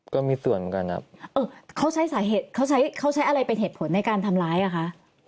ก็มีส่วนเหมือนกันครับเออเขาใช้สาเหตุเขาใช้เขาใช้อะไรเป็นเหตุผลในการทำร้ายอ่ะคะ